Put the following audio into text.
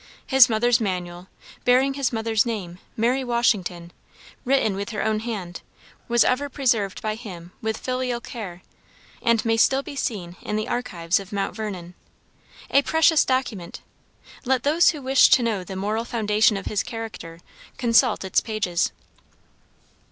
His mother's manual, bearing his mother's name, Mary Washington, written with her own hand, was ever preserved by him with filial care, and may still be seen in the archives of Mount Vernon. A precious document! Let those who wish to know the moral foundation of his character, consult its pages."